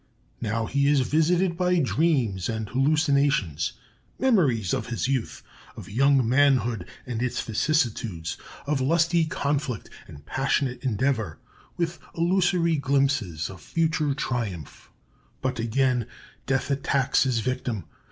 Now he is visited by dreams and hallucinations memories of youth, of young manhood and its vicissitudes, of lusty conflict and passionate endeavor, with illusory glimpses of future triumph. But again Death attacks his victim.